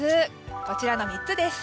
こちらの３つです。